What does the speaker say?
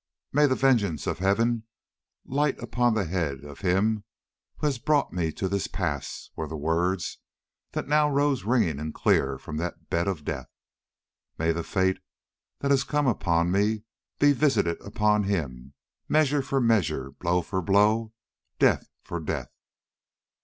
"May the vengeance of Heaven light upon the head of him who has brought me to this pass," were the words that now rose ringing and clear from that bed of death. "May the fate that has come upon me be visited upon him, measure for measure, blow for blow, death for death."